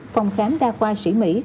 phòng khám đa khoa sĩ mỹ